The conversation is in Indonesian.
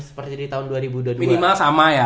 seperti di tahun dua ribu dua minimal sama ya